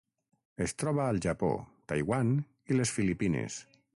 Es troba al Japó, Taiwan i les Filipines.